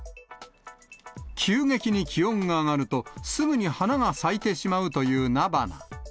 急激に気温が上がると、すぐに花が咲いてしまうという菜花。